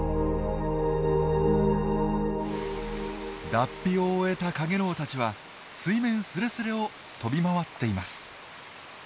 脱皮を終えたカゲロウたちは水面すれすれを飛び回っています。